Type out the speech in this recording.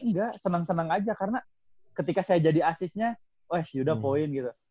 enggak seneng seneng aja karena ketika saya jadi asisnya wah si yuda poin gitu